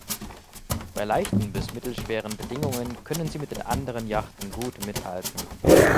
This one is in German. Bei leichten bis mittelschweren Bedingungen können sie mit den anderen Yachten gut mithalten.